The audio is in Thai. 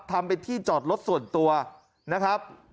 ทำเป็นที่จอดรถส่วนตัวนะครับ